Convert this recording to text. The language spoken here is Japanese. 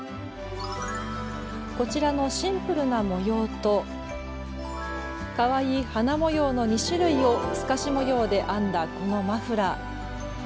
こちらのシンプルな模様とかわいい花模様の２種類を透かし模様で編んだこのマフラー。